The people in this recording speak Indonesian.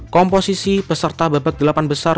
komposisi peserta babak delapan besar